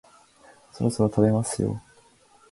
そろそろ食べますよ